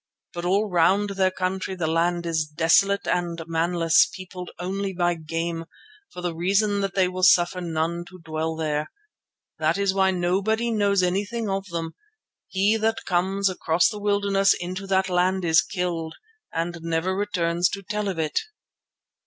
But all round their country the land is desolate and manless, peopled only by game, for the reason that they will suffer none to dwell there. That is why nobody knows anything about them: he that comes across the wilderness into that land is killed and never returns to tell of it.